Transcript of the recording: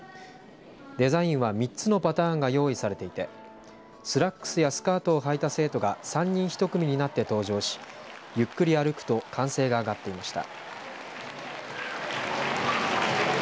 デザインは３つのパターンが用意されていてスラックスやスカートをはいた生徒が３人１組になって登場しゆっくり歩くと歓声が上がっていました。